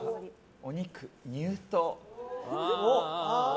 お肉、入刀！